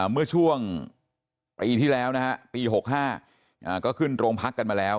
เมื่อช่วงปีที่แล้วนะฮะปี๖๕ก็ขึ้นโรงพักกันมาแล้ว